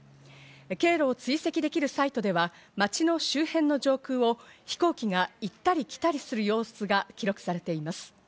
経路を追跡できるサイトでは町の周辺の上空を飛行機が行ったり来たりする様子が記録されています。